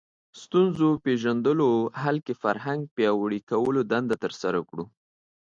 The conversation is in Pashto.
ستونزو پېژندلو حل کې فرهنګ پیاوړي کولو دنده ترسره کړو